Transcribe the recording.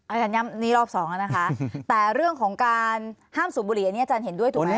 อาจารย์ย้ำนี้รอบ๒นะคะแต่เรื่องของการห้ามสูงบุหรี่อันเนี่ยอาจารย์เห็นด้วยถูกไหม